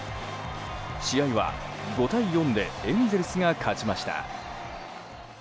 試合は５対４でエンゼルスが勝ちました。